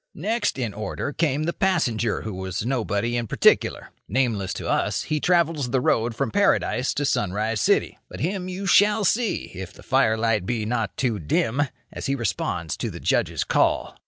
Next in order came the passenger who was nobody in particular. Nameless to us, he travels the road from Paradise to Sunrise City. But him you shall see, if the firelight be not too dim, as he responds to the Judge's call.